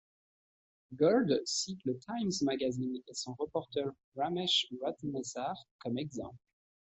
Gold cite le Time Magazine et son reporter Romesh Rotnesar comme exemple.